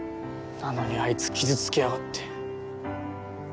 なのにあいつ傷つけやがって。